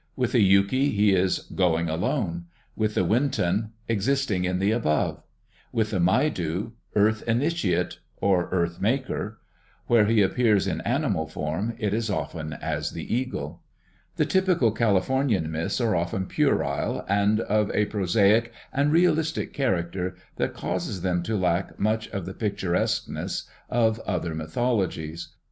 With the Yuki he is Going alone, with the Wintun Existing in the above, with the Maidu Earth initiate or Earth maker; where he appears in animal form it is often as the Eagle. The typical Californian myths are often puerile and of a pro saic and realistic character that causes them to lack much of the 98 University of California Publications. [AM. ARCH. ETH. picturesqueness of other mythologies.